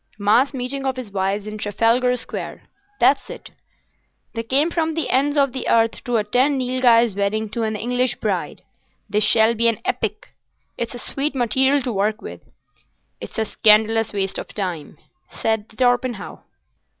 Mass meeting of his wives in Trafalgar Square. That's it. They came from the ends of the earth to attend Nilghai's wedding to an English bride. This shall be an epic. It's a sweet material to work with." "It's a scandalous waste of time," said Torpenhow.